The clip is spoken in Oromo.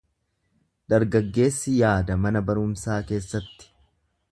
Dargaggeessi yaada mana barumsaa keessatti.